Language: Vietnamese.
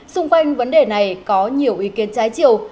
xung quanh vấn đề này có nhiều ý kiến trái chiều